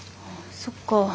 そっか。